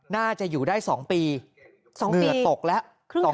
น่าจะอยู่ได้๒ปีเหงื่อตกแล้ว